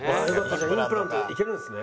じゃあインプラントいけるんですね。